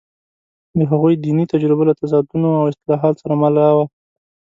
د هغوی دیني تجربه له تضادونو او اصلاحاتو سره مله وه.